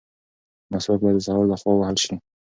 مسواک باید د سهار لخوا ووهل شي.